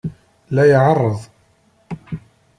La iɛerreḍ.